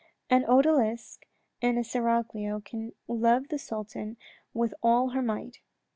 An odalisque in the seraglio can love the Sultan with all her might.